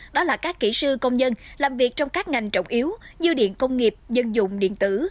đó là các kỹ sư công nhân làm việc trong các ngành trọng yếu như điện công nghiệp dân dụng điện tử